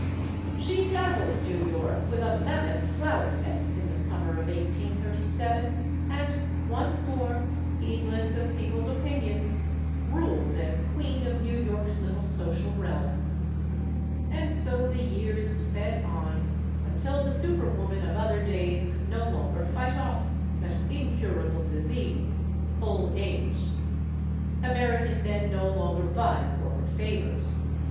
She dazzled New York with a mammoth flower fete in the summer of 1837; and once more. 112 STORIES OF THE SUPER WOMEN heedless of people's opinions, ruled as queen of New York's little social realm. And so the years sped on, until the super woman of other days could no longer fight off that Incurable disease, old age. American men no longer vied for her favors.